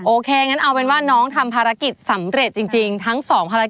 โอเคงั้นเอาเป็นว่าน้องทำภารกิจสำเร็จจริง